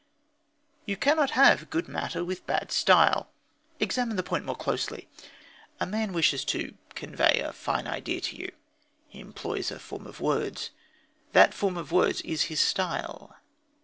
You cannot have good matter with bad style. Examine the point more closely. A man wishes to convey a fine idea to you. He employs a form of words. That form of words is his style.